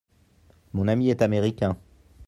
Mon ami est américain.